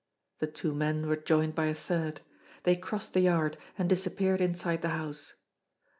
The two men were joined by a third. They crossed the yard, and disappeared inside the house.